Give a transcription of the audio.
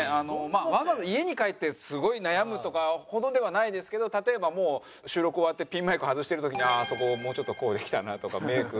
まあわざわざ家に帰ってすごい悩むとかほどではないですけど例えばもう収録終わってピンマイク外してる時にあああそこもうちょっとこうできたなとかメイク。